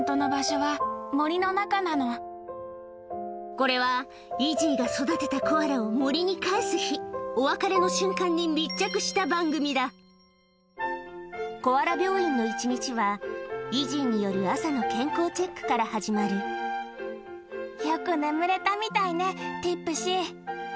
これはイジーが育てたコアラを森にかえす日お別れの瞬間に密着した番組だコアラ病院の一日はイジーによる朝の健康チェックから始まるえっ？